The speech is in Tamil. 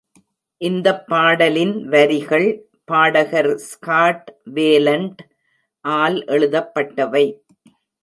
இந்தப் பாடலின் வரிகள் பாடகர் ஸ்காட் வேலண்ட்-ஆல் எழுதப்பட்டவை.